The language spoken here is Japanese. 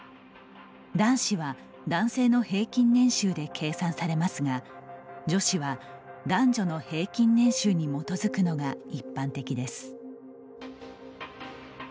男子は男性の平均年収で計算されますが、女子は男女の平均年収に基づくのが一般的です。